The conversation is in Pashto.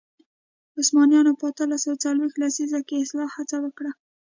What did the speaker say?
عثمانیانو په اتلس سوه څلوېښت لسیزه کې اصلاح هڅه وکړه.